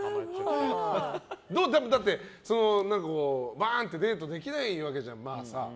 バーンってデートできないわけじゃん。